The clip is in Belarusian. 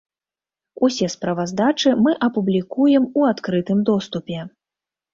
Усе справаздачы мы апублікуем у адкрытым доступе.